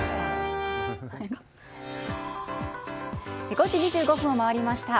５時２５分を回りました。